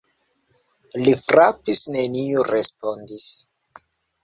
Li frapis: neniu respondis.